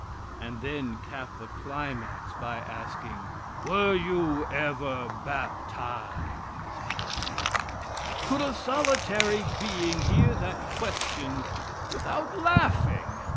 And then cap the climax by asking: "Were you ever baptized?" Could a solitary being hear that question without laughing?